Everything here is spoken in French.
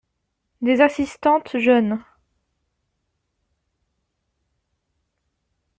Des assistantes jeûnent.